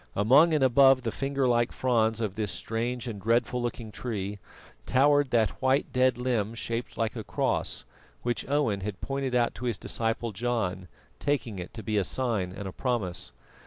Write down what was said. Among and above the finger like fronds of this strange and dreadful looking tree towered that white dead limb shaped like a cross, which Owen had pointed out to his disciple John, taking it to be a sign and a promise.